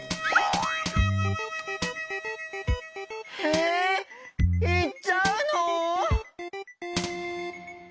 えいっちゃうの？